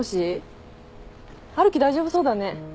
春樹大丈夫そうだね。